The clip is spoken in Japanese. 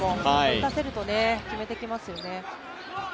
打たせると決めてきますよね。